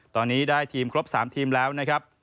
ตอนนี้ได้ทีมครบ๓ทีมแล้วนะครับ